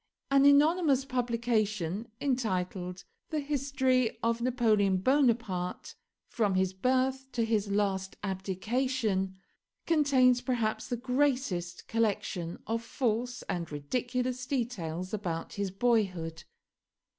An anonymous publication, entitled the 'History of Napoleon Bonaparte', from his Birth to his last abdication, contains perhaps the greatest collection of false and ridiculous details about his boyhood.